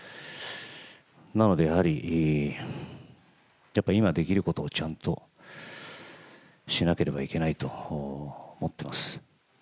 なのでやはり、やっぱり今できることをちゃんとしなければいけないと思っています。